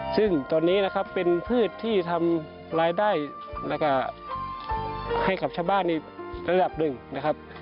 ซึ่งตอนนี้เป็นพืชที่ทำรายได้ให้กับชาวบ้านระดับหนึ่งนะครับ